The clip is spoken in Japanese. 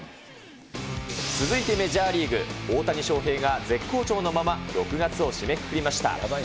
続いてメジャーリーグ、大谷翔平が絶好調のまま、６月を締めくくりました。